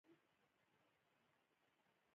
د ځنګلونو او طبیعي سرچینو ساتنه کیږي.